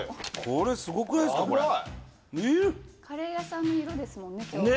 これカレー屋さんの色ですもんね